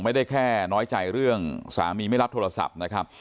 ไม่ได้แค่น้อยใจเรื่องสามีไม่รับโทรศัพท์นะครับ